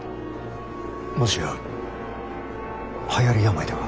もしやはやり病では？